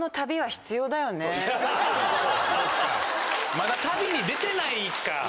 まだ旅に出てないか。